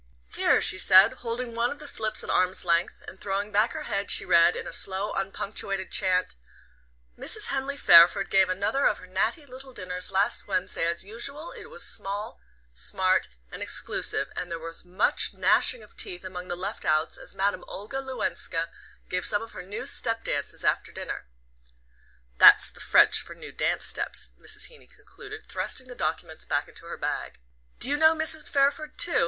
"Here," she said, holding one of the slips at arm's length; and throwing back her head she read, in a slow unpunctuated chant: '"Mrs. Henley Fairford gave another of her natty little dinners last Wednesday as usual it was smart small and exclusive and there was much gnashing of teeth among the left outs as Madame Olga Loukowska gave some of her new steppe dances after dinner' that's the French for new dance steps," Mrs. Heeny concluded, thrusting the documents back into her bag. "Do you know Mrs. Fairford too?"